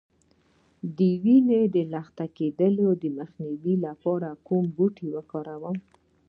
د وینې د لخته کیدو مخنیوي لپاره کوم بوټی وکاروم؟